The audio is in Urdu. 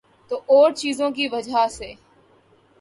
تو اورچیزوں کی وجہ سے۔